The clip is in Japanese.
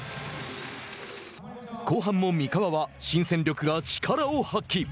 後半も三河は新戦力が力を発揮。